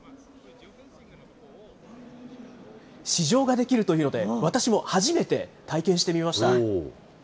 試乗ができるというので、私も初めて体験してみました。